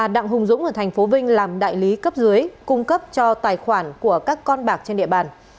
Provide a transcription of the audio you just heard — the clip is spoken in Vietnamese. đặng hùng dũng ở thành phố vinh làm đại lý cấp dưới cung cấp cho tài khoản của các con bạc trên địa bàn